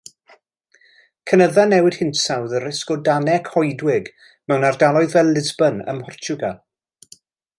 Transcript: Cynydda newid hinsawdd y risg o danau coedwig mewn ardaloedd fel Lisbon ym Mhortiwgal.